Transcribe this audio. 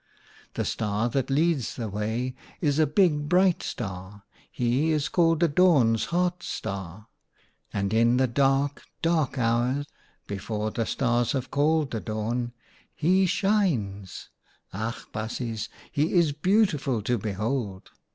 The Star that leads the way is a big bright star. He is called the Dawn's Heart Star, and in the dark, dark hour, before the Stars have called the Dawn, he shines — ach ! baasjes, he is beautiful to behold